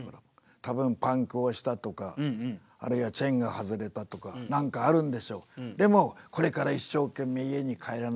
多分パンクをしたとかあるいはチェーンが外れたとか何かあるんでしょう。